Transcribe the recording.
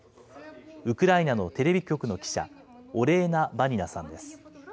ウクライナのテレビ局の記者、オレーナ・バニナさんです。